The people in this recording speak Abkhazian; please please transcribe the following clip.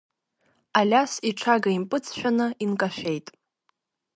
Алиас иҽага импыҵшәаны инкашәеит.